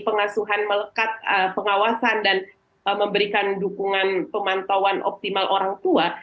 pengasuhan melekat pengawasan dan memberikan dukungan pemantauan optimal orang tua